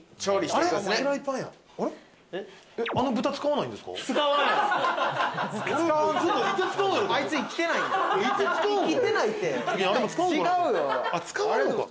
あのブタ使わないんですか？